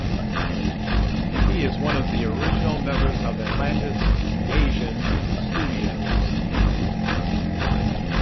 He is one of the original members of Atlanta's Gaijin Studios.